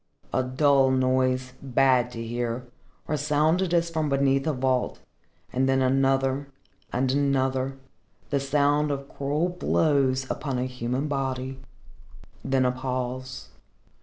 A dull noise, bad to hear, resounded as from beneath a vault, and then another and another the sound of cruel blows upon a human body. Then a pause.